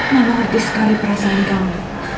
mama ngerti sekali perasaan kamu